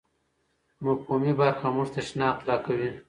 مفهومي برخه موږ ته شناخت راکوي.